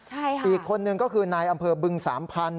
ใช่ค่ะอีกคนนึงก็คือนายอำเภอบึงสามพันธ